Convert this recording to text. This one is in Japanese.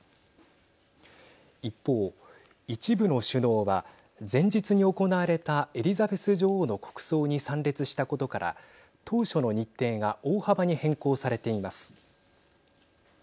一方、一部の首脳は前日に行われたエリザベス女王の国葬に参列したことから当初の日程が大幅に変更されています。